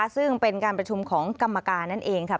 ซึ่งเป็นการประชุมของกรรมการนั่นเองค่ะ